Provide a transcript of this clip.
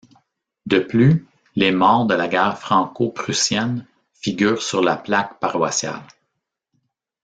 De plus, les morts de la guerre franco-prussienne figurent sur la plaque paroissiale.